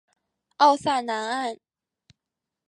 奥萨南岸。